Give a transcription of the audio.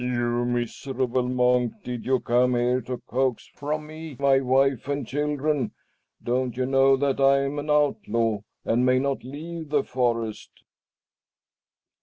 "You miserable monk! did you come here to coax from me my wife and children? Don't you know that I am an outlaw and may not leave the forest?"